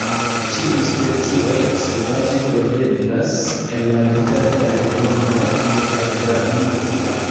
Ĉiuj specioj sovaĝe troveblas en la dezertaj regionoj de Aŭstralio.